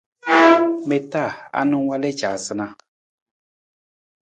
Mi ta anang wal i caasunaa?